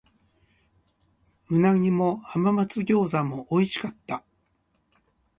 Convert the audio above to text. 鰻も浜松餃子も美味しかった。